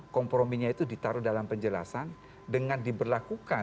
komprominya itu ditaruh dalam penjelasan dengan diberlakukan